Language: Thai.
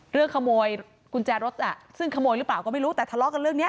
ขโมยกุญแจรถซึ่งขโมยหรือเปล่าก็ไม่รู้แต่ทะเลาะกันเรื่องนี้